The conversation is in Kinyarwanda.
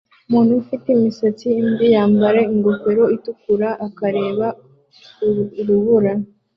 Umuntu ufite imisatsi imvi yambara ingofero itukura akareba urubura